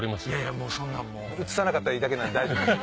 もうそんな映さなかったらいいだけなんで大丈夫です。